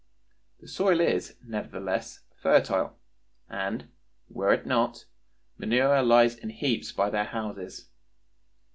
The soil is, nevertheless, fertile, and, were it not, manure lies in heaps by their houses.